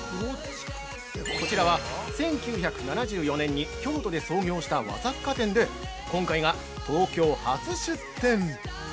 こちらは、１９７４年に京都で創業した和雑貨店で、今回が東京初出店！